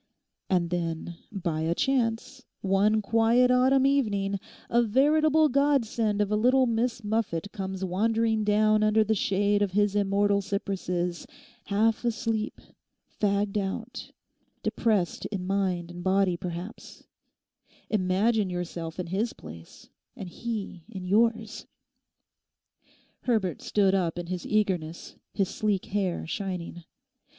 And then, by a chance, one quiet autumn evening, a veritable godsend of a little Miss Muffet comes wandering down under the shade of his immortal cypresses, half asleep, fagged out, depressed in mind and body, perhaps: imagine yourself in his place, and he in yours!' Herbert stood up in his eagerness, his sleek hair shining.